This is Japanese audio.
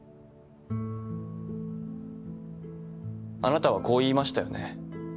あなたはこう言いましたよね。